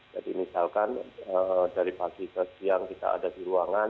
jadi misalkan dari pagi ke siang kita ada di ruangan